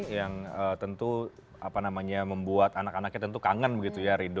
yang tentu apa namanya membuat anak anaknya tentu kangen begitu ya rindo